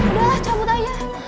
udah lah cabut aja